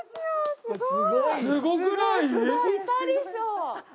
すごい！